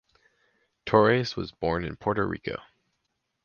Torres was born in Puerto Rico.